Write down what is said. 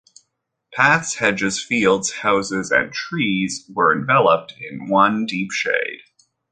Paths, hedges, fields, houses, and trees, were enveloped in one deep shade.